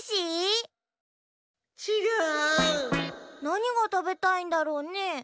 なにがたべたいんだろうね。